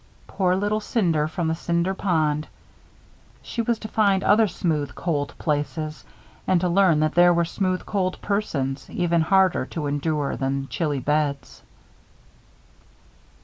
Poor little Cinder from the Cinder Pond! She was to find other smooth, cold places; and to learn that there were smooth, cold persons even harder to endure than chilly beds.